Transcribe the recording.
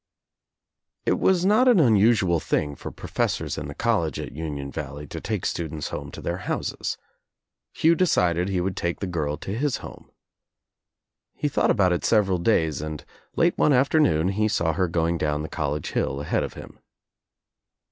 It was not an unusual thing for professors in the college at Union Valley to take students home to their houses. Hugh decided he would take the girl to his home. He thought about It several days and late one afternoon saw her going down the college hill ahead of him.